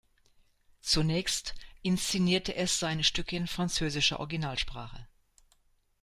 Zunächst inszenierte es seine Stücke in französischer Originalsprache.